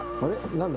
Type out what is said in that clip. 何だ？